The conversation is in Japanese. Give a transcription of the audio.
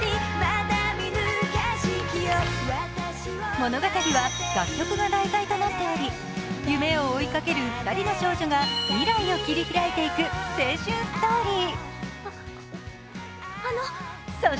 物語は、楽曲が題材となっており、夢を追いかける２人の少女が未来を切り開いていく青春ストーリー。